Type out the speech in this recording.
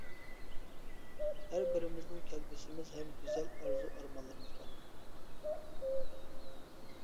ھەر بىرىمىزنىڭ كەلگۈسىمىز ھەم گۈزەل ئارزۇ-ئارمانلىرىمىز بار.